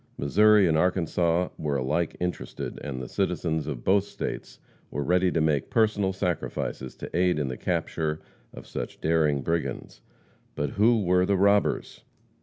Missouri and Arkansas were alike interested, and the citizens of both states were ready to make personal sacrifices to aid in the capture of such daring brigands. But who were the robbers?